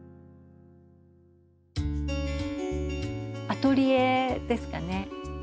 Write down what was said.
アトリエですかね。